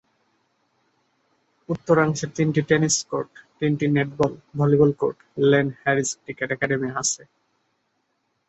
উত্তরাংশে তিনটি tennis court, তিনটি netball volleyball court, Len Harris cricket academy আছে।